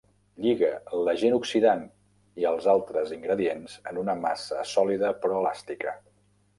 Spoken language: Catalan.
Lliga l'agent oxidant i els altres ingredients en una massa sòlida però elàstica.